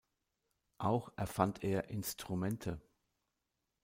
Auch erfand er Instrumente.